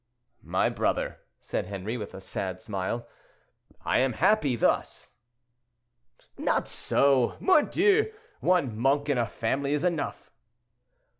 "My brother," said Henri, with a sad smile, "I am happy thus." "Not so, mordieu! One monk in a family is enough."